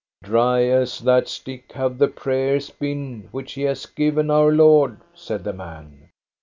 " Dry as that stick have the prayers been which he has given our Lord," said the man.